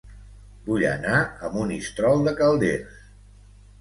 Vull anar a Monistrol de Calders